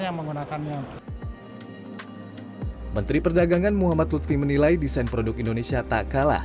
yang menggunakannya menteri perdagangan muhammad lutfi menilai desain produk indonesia tak kalah